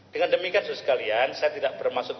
dengan demikian sekalian saya tidak bermaksud